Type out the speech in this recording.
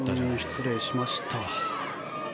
失礼しました。